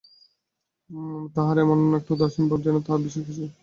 তাহার এমন একটি উদাসীন ভাব, যেন তাহার বিশেষ কিছুতে প্রয়োজন নাই।